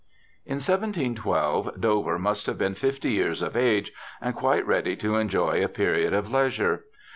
In 1 712 Dover must have been fifty years of age, and quite ready to enjoy a period of leisure.